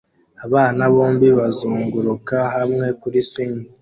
Abana bombi bazunguruka hamwe kuri swing